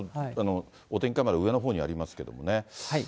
お天気カメラ、上のほうにありますけれどもね。